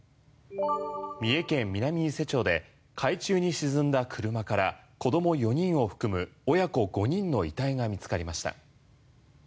三重県南伊勢町で海中に沈んだ車から子供４人を含む親子５人の遺体が見つかりました。